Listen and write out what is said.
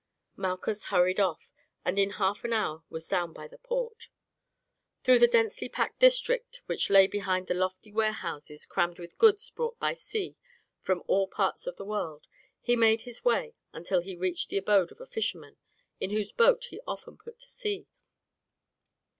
Malchus hurried off, and in half an hour was down by the port. Through the densely packed district which lay behind the lofty warehouses crammed with goods brought by sea from all parts of the world, he made his way until he reached the abode of a fisherman, in whose boat he often put to sea.